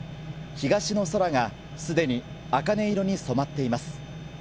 東の空が、すでにあかね色に染まっています。